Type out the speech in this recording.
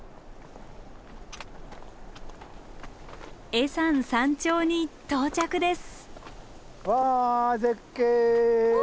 恵山山頂に到着です！